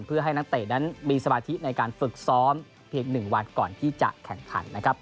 เพื่อให้นักเตะนั้นมีสมาธิในการฝึกซ้อมเพียง๑วันก่อนที่จะแข่งขันนะครับ